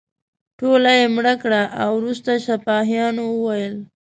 ټوله یې مړه کړه او وروسته سپاهیانو وویل.